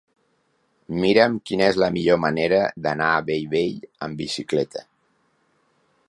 Mira'm quina és la millor manera d'anar a Bellvei amb bicicleta.